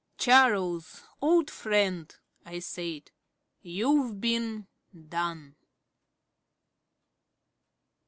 "Charles, old friend," I said, "you've been done."